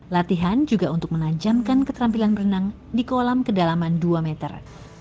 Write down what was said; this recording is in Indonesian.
latihan juga untuk menajamkan keterampilan berenang di kolam kedalaman dua meter